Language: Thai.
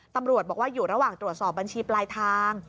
ตำรวจบอกว่าอยู่ระหว่างตรวจสอบบัญชีปลายทาง